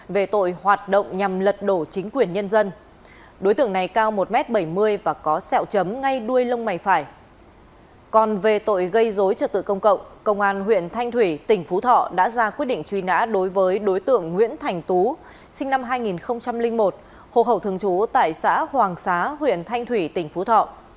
về tội gây dối trực tự công cộng công an huyện thanh thủy tỉnh phú thọ đã ra quyết định truy nã đối với đối tượng nguyễn thành tú sinh năm hai nghìn một hồ khẩu thường trú tại xã hoàng xá huyện thanh thủy tỉnh phú thọ